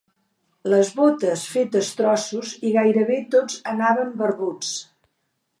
Les botes fetes trossos i gairebé tots anaven barbuts.